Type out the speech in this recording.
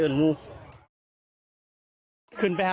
พ่ออยู่หรือเปล่า